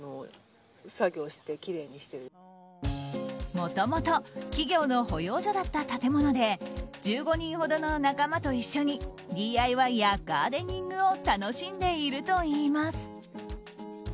もともと企業の保養所だった建物で１５人ほどの仲間と一緒にＤＩＹやガーデニングを楽しんでいるといいます。